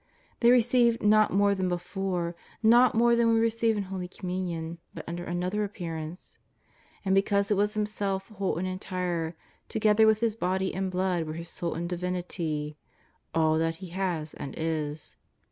They re ceived not more than before, not more than we receive in Holy Communion, but under anotlier appearance. And because it was Himself whole and entire, together with His Body and Blood were His Soul and Divinity, all xnat He has and is.